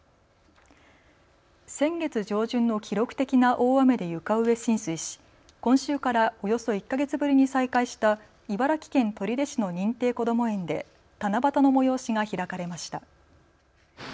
先月上旬の記録的な大雨で床上浸水し今週からおよそ１か月ぶりに再開した茨城県取手市の認定こども園で七夕の催しが開かれました。